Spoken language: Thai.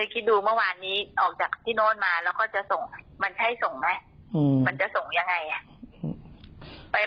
นานงานออกจากที่โน่นก็จะส่ง